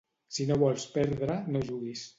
Si no vols perdre, no juguis.